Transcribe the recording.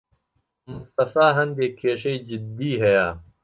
مستەفا هەندێک کێشەی جددی هەیە.